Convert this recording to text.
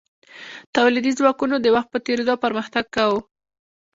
تولیدي ځواکونو د وخت په تیریدو پرمختګ کاوه.